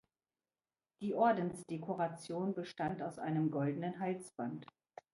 Die Ordensdekoration bestand aus einem goldenen Halsband.